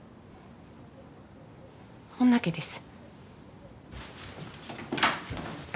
ほんだけです。